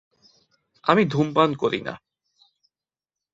আমি ধূমপান করি না।